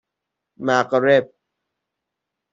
مغرب